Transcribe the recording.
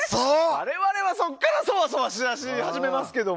我々はそこからそわそわし始めますけど。